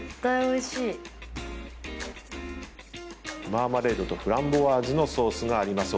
マーマレードとフランボワーズのソースがあります。